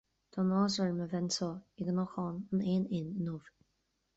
Tá an-áthas orm a bheith anseo i gCnocán an Éin Fhinn inniu